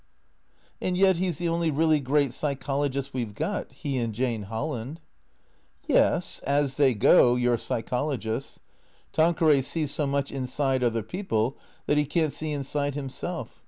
" And yet, he 's the only really great psychologist we 've got. He and Jane Holland." " Yes, as they go, your psychologists. Tanqueray sees so much inside other people that he can't see inside himself.